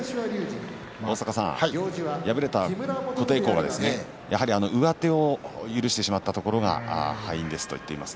敗れた琴恵光はやはり上手を許してしまったところが敗因ですと言っています。